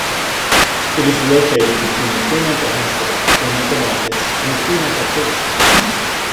It is located between the Fremantle Hospital, Fremantle Markets and the Fremantle Prison.